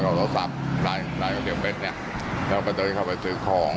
แล้วผู้หลายวาะเขาเดินเข้าไปซื้อของ